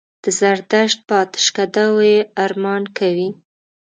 د زردشت په آتشکدو یې ارمان کوي.